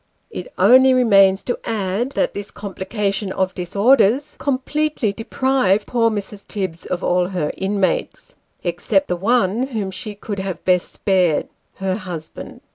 It only remains to add, that this complication of disorders com pletely deprived poor Mrs. Tibbs of all her inmates, except the one whom she could have best spared her husband.